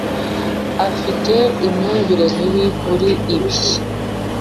mfite imyumvire mibi kuri ibi.